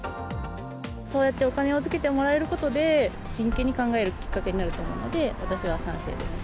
そうやってお金をつけてもらえることで、真剣に考えるきっかけになると思うので、私は賛成です。